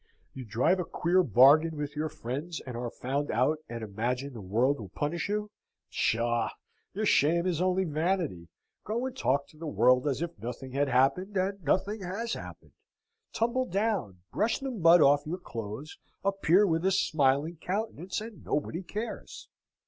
You drive a queer bargain with your friends and are found out, and imagine the world will punish you? Psha! Your shame is only vanity. Go and talk to the world as if nothing had happened, and nothing has happened. Tumble down; brush the mud off your clothes; appear with a smiling countenance, and nobody cares.